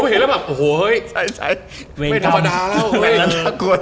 พอเห็นแล้วแบบโอ้โหเฮ้ยใช่ใช่ไม่ธรรมดา้าวเห้นแล้วตักล็อด